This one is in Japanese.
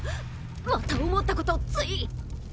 また思ったことをつい。